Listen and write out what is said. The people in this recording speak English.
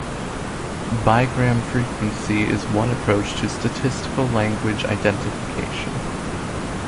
Bigram frequency is one approach to statistical language identification.